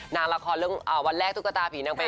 นางละครวันแรกทุกฎาผีนางไป